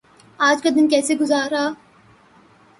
آج کا دن کیسے گزرا؟